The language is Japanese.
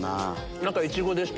中イチゴでした。